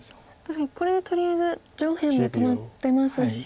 確かにこれとりあえず上辺も止まってますし。